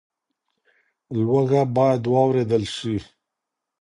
لوږه باید واورېدل شي.